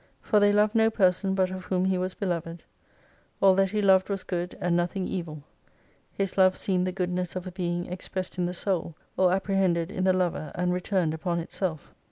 For they loved no person but of whom he was beloved. All that he loved was good, and nothing evil. His love seemed the goodness of a being expressed in the Soul, or apprehended in the lover, and returned upon itself.